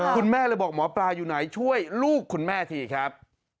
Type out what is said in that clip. คุณแม่เลยบอกหมอปลาอยู่ไหนช่วยลูกคุณแม่ทีครับ